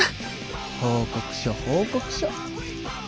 報告書報告書！